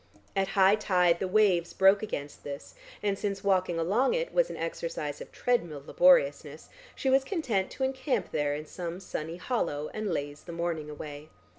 At high tide the waves broke against this, and since walking along it was an exercise of treadmill laboriousness she was content to encamp there in some sunny hollow and laze the morning away.